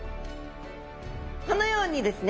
このようにですね